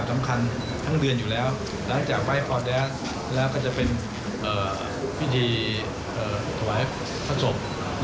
มันทั้งเดือนอยู่แล้วนะครับ